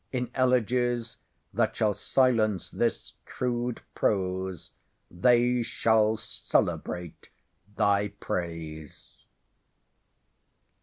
In elegies, that shall silence this crude prose, they shall celebrate thy praise.